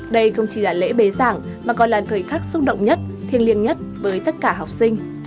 đây không chỉ là lễ bế giảng mà còn là thời khắc xúc động nhất thiêng liêng nhất với tất cả học sinh